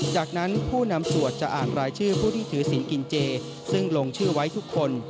จากนั้นผู้นำสวดจะอ่านรายชื่อผู้ที่ถือสินกินเจซึ่งลงชื่อไว้ทุกคน